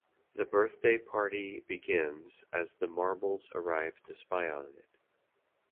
The birthday party begins as the Marbles arrive to spy on it.